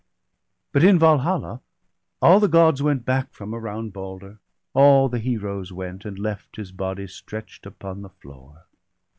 But in Valhalla all the Gods went back From around Balder, all the Heroes went; And left his body stretch'd upon the floor.